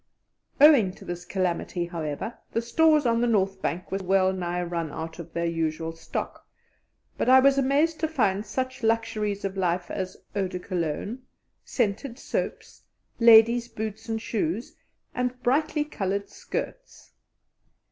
Owing to this calamity, however, the stores on the north bank were wellnigh run out of their usual stock, but I was amazed to find such luxuries of life as eau de Cologne, scented soaps, ladies' boots and shoes, and brightly coloured skirts.